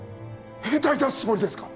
兵隊出すつもりですか？